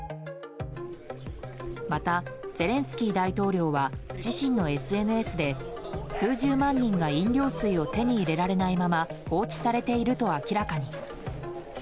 また、ゼレンスキー大統領は自身のＳＮＳで数十万人が飲料水を手に入れられないまま放置されていると明らかに。